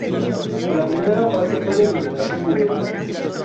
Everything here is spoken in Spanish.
La primera fase fue de eliminación directa.